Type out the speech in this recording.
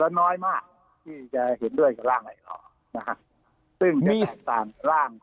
แล้วน้อยมากที่จะเห็นด้วยกับร่างไหนหรอ